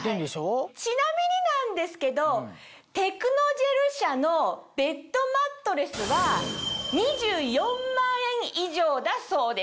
ちなみになんですけどテクノジェル社のベッドマットレスは２４万円以上だそうです。